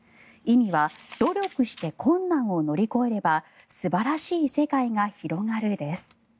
意味は努力して困難を乗り越えれば素晴らしい世界が広がるです。